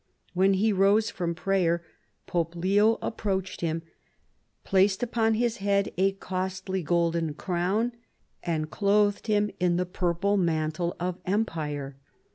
When he rose from prayer Pope Leo approached him, placed upon his head a costly golden crown, and clothed him in the pur ple mantle of empire.